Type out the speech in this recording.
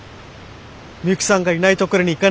ミユキさんがいない所に行かない。